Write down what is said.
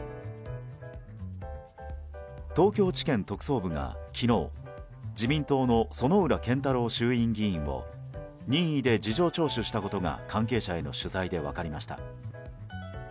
東京地検特捜部が昨日自民党の薗浦健太郎衆院議員を任意で事情聴取したことが関係者への取材で分かりました。